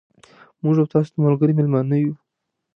موږ او تاسو د ملګري مېلمانه یو.